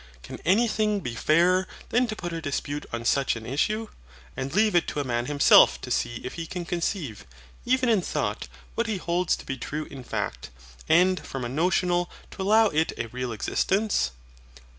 Can anything be fairer than to put a dispute on such an issue, and leave it to a man himself to see if he can conceive, even in thought, what he holds to be true in fact, and from a notional to allow it a real existence?